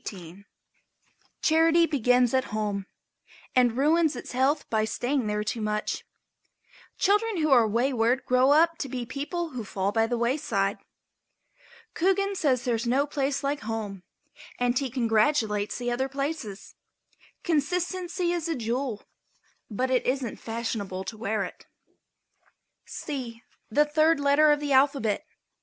[Illustration: "C Coogan thinking about home."] Charity begins at home and ruins its health by staying there too much. Children who are wayward grow up to be the people who fall by the wayside. Coogan says there is no place like home and he congratulates the other places. Consistency is a jewel, but it isn't fashionable to wear it. ### C: The third letter of the alphabet.